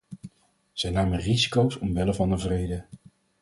Zij namen risico's omwille van de vrede.